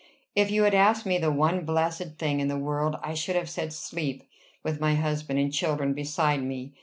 If you had asked me the one blessed thing in the world, I should have said sleep with my husband and children beside me.